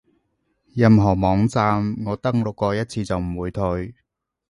任何網站我登錄過一次就唔會退